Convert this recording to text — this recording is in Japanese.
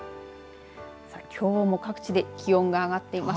きょうも各地で気温が上がっています。